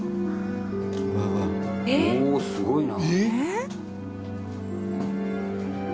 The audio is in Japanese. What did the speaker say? おおっすごいな！